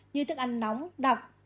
như thức ăn nóng đặc